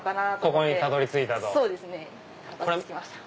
ここにたどり着いた。